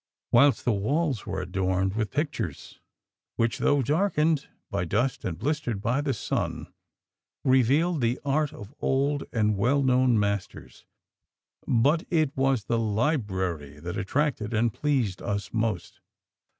whilst the walls were adorned with pictures which, though darkened by dust and blistered by the sun, revealed the art of old and well known masters; but it was the library that attracted and pleased us most.